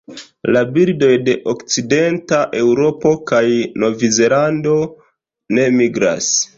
La birdoj de okcidenta Eŭropo kaj Novzelando ne migras.